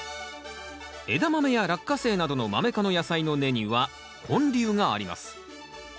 エダマメやラッカセイなどのマメ科の野菜の根には根粒があります。